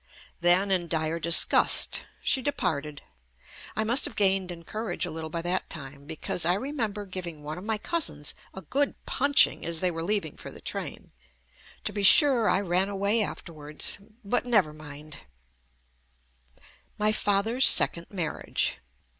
Then in dire disgust, she departed. I must have gained in courage a little by that time be cause I remember giving one of my cousins a good punching as they were leaving for the JUST ME train. To be sure I ran away afterwards. But never mind My father's second marriage